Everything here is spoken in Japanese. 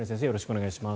よろしくお願いします。